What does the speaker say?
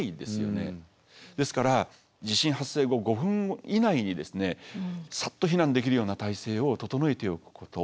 ですから地震発生後５分以内にさっと避難できるような態勢を整えておくこと。